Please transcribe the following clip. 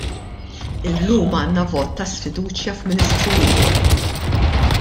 Illum għandna vot ta' sfiduċja f'ministru ieħor.